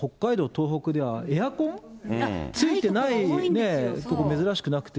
東北ではエアコンついてないところ、珍しくなくて。